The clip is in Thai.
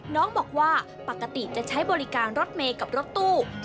น้องบอกว่าปกติจะใช้บริการรถเมย์กับรถตู้